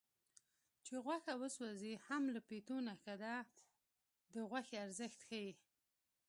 چې غوښه وسوځي هم له پیتو نه ښه ده د غوښې ارزښت ښيي